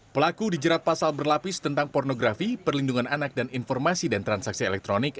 pelaku dijerat pasal berlapis tentang pornografi perlindungan anak dan informasi dan transaksi elektronik